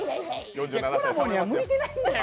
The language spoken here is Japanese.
コラボには向いてないんだよ。